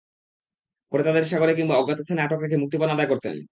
পরে তাঁদের সাগরে কিংবা অজ্ঞাত স্থানে আটকে রেখে মুক্তিপণ আদায় করতেন।